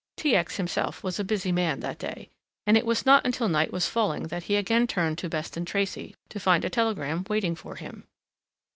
T. X. himself was a busy man that day, and it was not until night was falling that he again turned to Beston Tracey to find a telegram waiting for him.